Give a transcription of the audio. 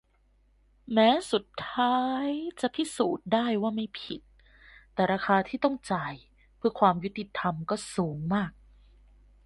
แม้สุดท้ายจะพิสูจน์ได้ว่าไม่ผิด แต่ราคาที่ต้องจ่ายเพื่อความยุติธรรมก็สูงมาก